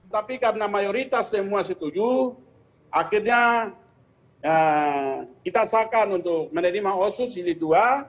tapi karena mayoritas semua setuju akhirnya kita sahkan untuk menerima osus jilid dua